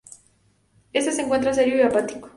Este se encuentra serio y apático.